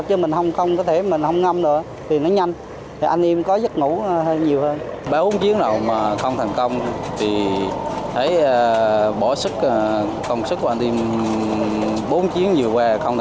ba bốn chiến rộng mà không thành công thì bốn chiến vừa qua thì thấy burrot